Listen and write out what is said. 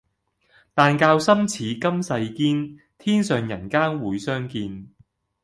但教心似金鈿堅，天上人間會相見。